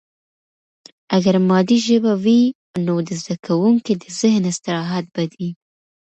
اگر مادي ژبه وي، نو د زده کوونکي د ذهن استراحت به دی.